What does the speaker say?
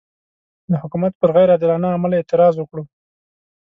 د حکومت پر غیر عادلانه عمل اعتراض وکړو.